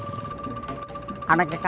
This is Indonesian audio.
kamu tahu saya lagi kena apa